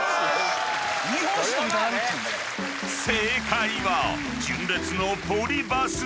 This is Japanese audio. ［正解は純烈の］